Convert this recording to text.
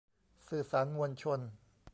สื่อสารมวลชน